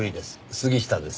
杉下です。